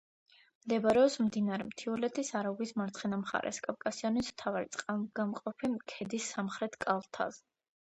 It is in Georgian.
მდებარეობს მდინარე მთიულეთის არაგვის მარცხენა მხარეს, კავკასიონის მთავარი წყალგამყოფი ქედის სამხრეთ კალთაზე.